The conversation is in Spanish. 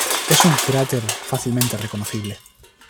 Es un cráter fácilmente reconocible.